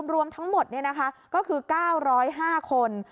รวมทั้งหมดก็คือ๙๐๕คน